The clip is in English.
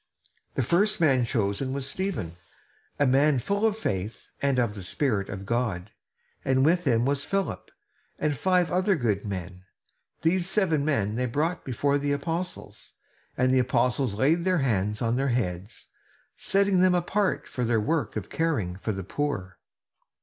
The first man chosen was Stephen, a man full of faith and of the Spirit of God; and with him was Philip and five other good men. These seven men they brought before the apostles; and the apostles laid their hands on their heads, setting them apart for their work of caring for the poor.